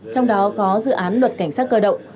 trong đó có dự án luật cảnh sát cơ động